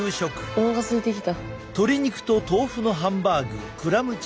おなかすいてきた。